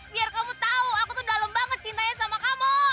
biar kamu tahu aku tuh dalem banget cintanya sama kamu